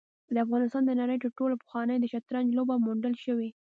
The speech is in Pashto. افغانستان د نړۍ تر ټولو پخوانی د شطرنج لوبه موندل شوې